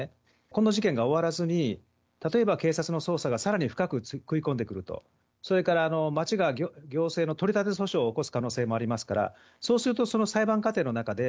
この事件が終わらずに、例えば警察の捜査がさらに深く食い込んでくると、それから町が行政の取り立て訴訟を起こす可能性もありますから、そうするとその裁判過程の中で、